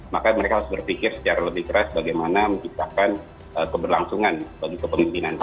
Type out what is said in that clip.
maka mereka harus berpikir secara lebih keras bagaimana menciptakan keberlangsungan bagi kepemimpinan